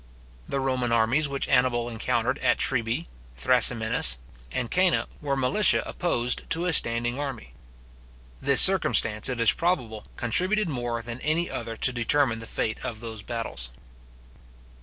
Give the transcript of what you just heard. The Roman armies which Annibal encountered at Trebi, Thrasymenus, and Cannae, were militia opposed to a standing army. This circumstance, it is probable, contributed more than any other to determine the fate of those battles.